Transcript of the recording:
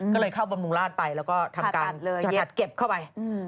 ก็เลยเข้าบำรุงราชไปทัดเก็บเข้าไป